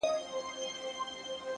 د ځناورو په خوني ځنگل کي”